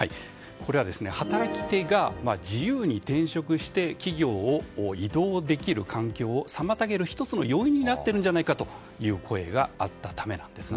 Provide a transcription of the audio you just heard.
これは働き手が自由に転職して企業を移動できる環境を妨げる１つの要因になっているのではないかという声があったためなんですよね。